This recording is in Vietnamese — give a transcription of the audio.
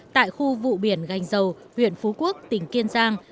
tại khu vụ biển gành dầu huyện phú quốc tỉnh kiên giang